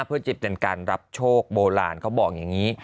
เพื่อจะเป็นการรับโชคโบราณเขาบอกอย่างนี้